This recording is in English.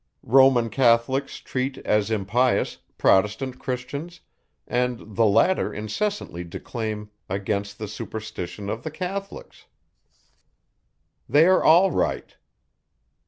Roman Catholics treat, as impious, Protestant Christians; and the latter incessantly declaim against the superstition of the Catholics. They are all right.